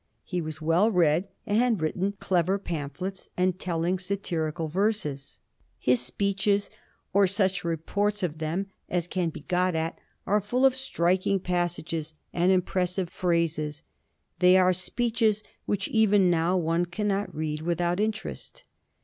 He was well read, and had written clever pamphlets and telling satirical verses. His speeches, or such reports of them as can be got at, are fiill of striking passages and impressive phrases ; they are speeches which even now one can not read without interest.